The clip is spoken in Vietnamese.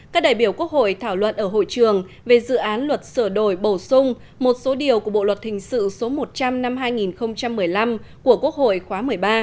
các đại biểu quốc hội thảo luận ở hội trường về dự án luật sửa đổi bổ sung một số điều của bộ luật thình sự số một trăm linh năm hai nghìn một mươi năm của quốc hội khóa một mươi ba